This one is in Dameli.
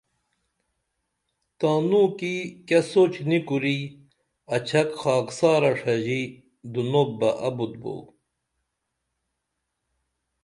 تانوں کی کیہ سوچ نی کُری اچھک خاکسارہ ݜژی دُنوپ بہ ابُت بو